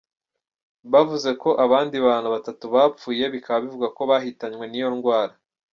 Bavuze kandi ko abandi bantu batatu bapfuye, bikaba bivugwa ko bahitwanywe n’iyo ndwara.